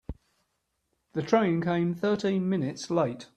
The train came thirteen minutes late.